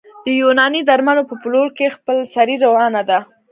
د یوناني درملو په پلور کې خپلسري روانه ده